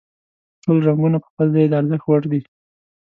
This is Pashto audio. ټول رنګونه په خپل ځای د ارزښت وړ دي.